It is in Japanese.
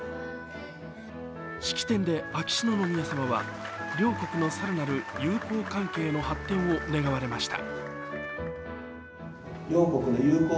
式典で秋篠宮さまは両国の更なる友好関係の発展を願われました。